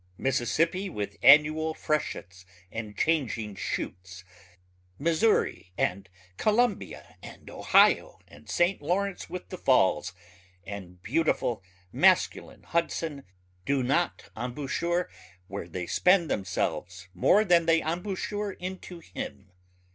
Mississippi with annual freshets and changing chutes, Missouri and Columbia and Ohio and St. Lawrence with the Falls and beautiful masculine Hudson, do not embouchure where they spend themselves more than they embouchure into him.